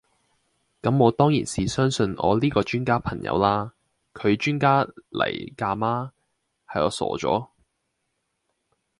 咁我當然是相信我呢個專家朋友啦，佢專家黎架嗎，係我傻左